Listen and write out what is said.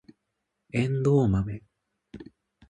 エンドウマメ